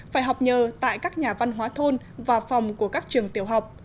phải học nhờ tại các nhà văn hóa thôn và phòng của các trường tiểu học